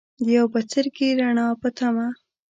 د یو بڅرکي ، رڼا پۀ تمه